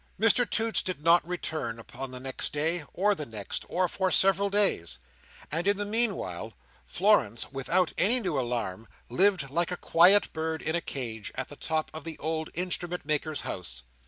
Mr Toots did not return upon the next day, or the next, or for several days; and in the meanwhile Florence, without any new alarm, lived like a quiet bird in a cage, at the top of the old Instrument maker's house.